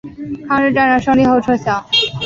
抗日战争胜利后撤销。